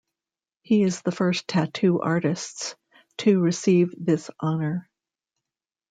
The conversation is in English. He is the first tattoo artists to receive this honor.